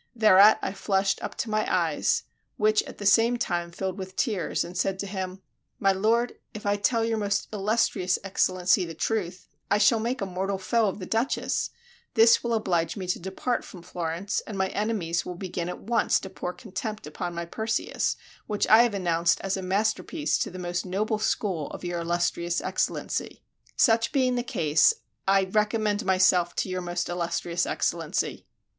Thereat I flushed up to my eyes, which at the same time filled with tears, and said to him, "My lord, if I tell your most illustrious Excellency the truth, I shall make a mortal foe of the Duchess; this will oblige me to depart from Florence, and my enemies will begin at once to pour contempt upon my Perseus, which I have announced as a masterpiece to the most noble school of your illustrious Excellency. Such being the case, I recommend myself to your most illustrious Excellency."